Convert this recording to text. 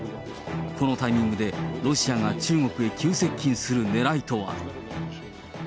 このタイミングで、ロシアが中国へ急接近するねらいとは。